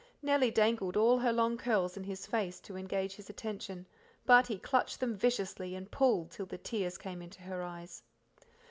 Nellie dangled all her long curls in his face to engage his attention, but he clutched them viciously and pulled till the tears came into her eyes.